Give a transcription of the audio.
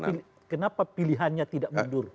ya maksud saya kenapa pilihannya tidak mundur